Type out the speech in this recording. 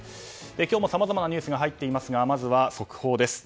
今日もさまざまなニュースが入っていますがまずは速報です。